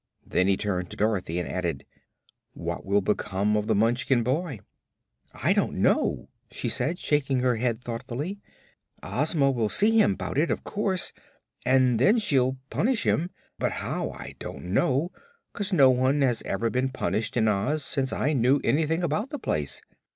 Then he turned to Dorothy and added: "What will become of the Munchkin boy?" "I don't know," she said, shaking her head thoughtfully. "Ozma will see him 'bout it, of course, and then she'll punish him. But how, I don't know, 'cause no one ever has been punished in Oz since I knew anything about the place.